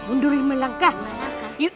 mundur lima langkah